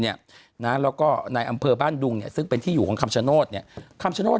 แล้วก็ในอำเภอบ้านดุงซึ่งเป็นที่อยู่ของคำชโนธคำชโนธ